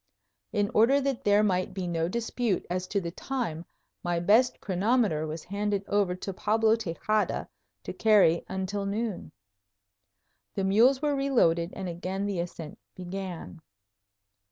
In order that there might be no dispute as to the time, my best chronometer was handed over to Pablo Tejada to carry until noon. The mules were reloaded and again the ascent began.